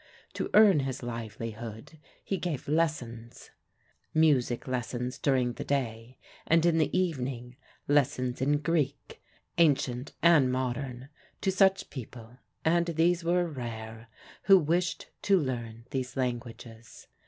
To earn his livelihood he gave lessons, music lessons during the day, and in the evening lessons in Greek, ancient and modern, to such people (and these were rare) who wished to learn these languages.